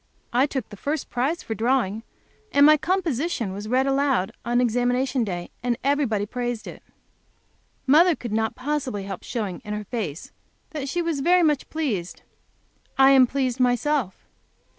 I took the first prize for drawing, and my composition was read aloud on examination day, and everybody praised it. Mother could not possibly help showing, in her face, that she was very much pleased. I am pleased myself.